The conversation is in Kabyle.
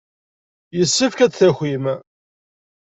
Yessefk ad d-takim.